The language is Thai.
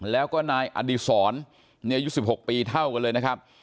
แล้วก็นายอดีศรอายุ๑๖ปีเท่ากันเลยนะครับ